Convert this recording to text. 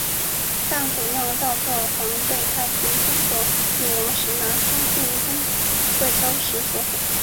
但古酿造作房被太平天国翼王石达开进攻贵州时所毁。